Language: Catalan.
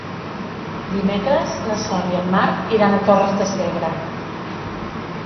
Dimecres na Sol i en Marc iran a Torres de Segre.